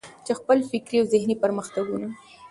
چې خپل فکري او ذهني پرمختګونه.